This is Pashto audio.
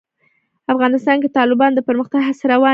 افغانستان کې د تالابونه د پرمختګ هڅې روانې دي.